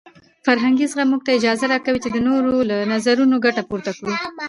فرهنګي زغم موږ ته اجازه راکوي چې د نورو له نظرونو ګټه پورته کړو.